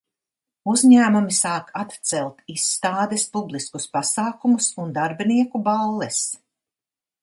Uzņēmumi sāk atcelt izstādes, publiskus pasākumus un darbinieku balles.